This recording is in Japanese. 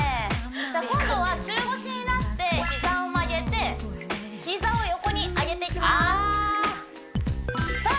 じゃあ今度は中腰になって膝を曲げて膝を横に上げていきますあ！